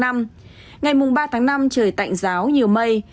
ngày mùa ba tháng năm trời tạnh ráo nhiều mây